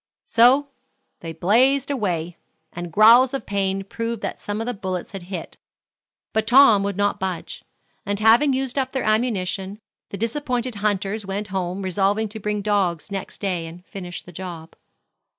So they "blazed away," and growls of pain proved that some of the bullets had hit. But Tom would not budge, and having used up their ammunition, the disappointed hunters went home resolving to bring dogs next day and finish the job.